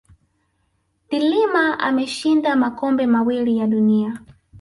de Lima ameshinda makombe mawili ya dunia